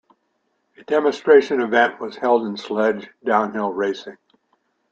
A demonstration event was held in sledge downhill racing.